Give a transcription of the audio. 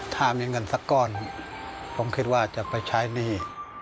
ถ้ามีเงินสักก้อนผมคิดว่าจะไปใช้หนี้